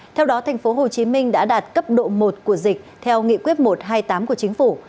theo đó tp hcm đã đạt cấp độ một của dịch theo nghị quyết một trăm hai mươi tám của chính phủ